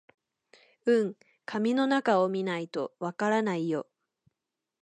うん、紙の中を見ないとわからないよ